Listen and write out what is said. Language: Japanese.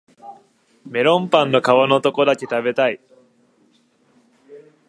メロンパンの皮のとこだけ食べたい